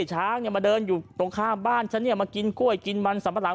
ช้างมาเดินอยู่ตรงข้ามบ้านฉันเนี่ยมากินกล้วยกินมันสัมปะหลัง